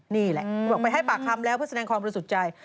นี่แหละบอกไปให้ปากคำแล้วเพื่อแสดงความบริสุทธิ์ใจ